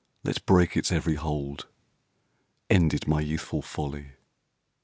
Let break its every hold! Ended my youthful folly!